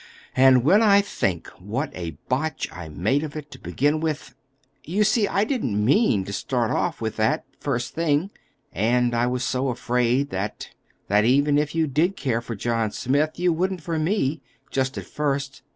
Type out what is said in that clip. "And when I think what a botch I made of it, to begin with—You see, I didn't mean to start off with that, first thing; and I was so afraid that—that even if you did care for John Smith, you wouldn't for me—just at first.